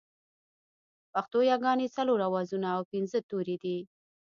پښتو ياگانې څلور آوازونه او پينځه توري دي